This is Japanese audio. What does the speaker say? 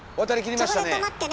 そこで止まってね